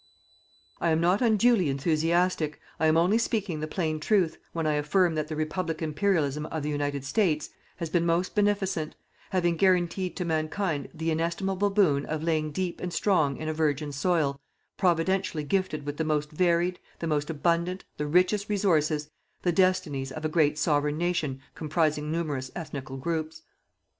I am not unduly enthusiastic, I am only speaking the plain truth, when I affirm that the Republican Imperialism of the United States has been most beneficent, having guaranteed to Mankind the inestimable boon of laying deep and strong in a virgin soil, providentially gifted with the most varied, the most abundant, the richest resources, the destinies of a great Sovereign Nation comprising numerous ethnical groups.